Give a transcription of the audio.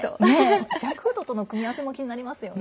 ジャンクフードとの組み合わせも気になりますよね。